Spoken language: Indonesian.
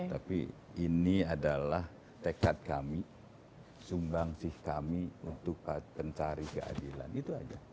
tapi ini adalah tekad kami sumbangsih kami untuk mencari keadilan itu aja